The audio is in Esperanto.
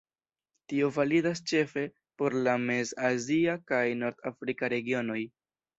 Tio validas ĉefe por la mez-azia kaj nord-afrika regionoj.